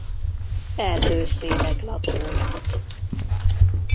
Erdőszélek lakója.